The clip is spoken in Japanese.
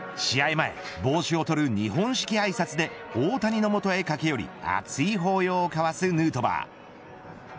前、帽子を取る日本式あいさつで大谷の元へ駆け寄り熱い抱擁を交わすヌートバー。